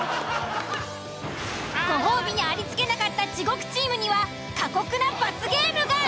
ご褒美にありつけなかった地獄チームには過酷な罰ゲームが！